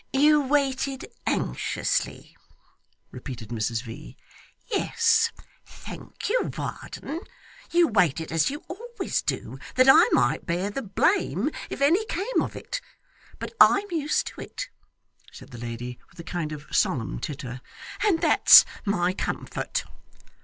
'You waited anxiously,' repeated Mrs V. 'Yes! Thank you, Varden. You waited, as you always do, that I might bear the blame, if any came of it. But I am used to it,' said the lady with a kind of solemn titter, 'and that's my comfort!